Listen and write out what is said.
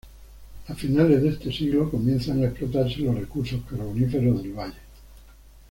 A finales de este siglo comienzan a explotarse los recursos carboníferos del valle.